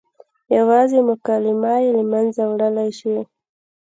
یوازې مکالمه یې له منځه وړلی شي.